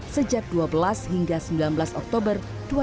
sejak dua belas hingga sembilan belas oktober dua ribu dua puluh